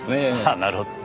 ああなるほど。